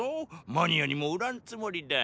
マニアにも売らんつもりだ。